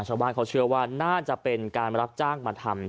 ชาวบ้านเขาเชื่อว่าน่าจะเป็นการรับจ้างมาทำ